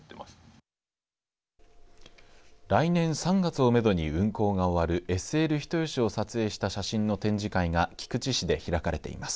来年３月をめどに運行が終わるＳＬ人吉を撮影した写真の展示会が菊池市で開かれています。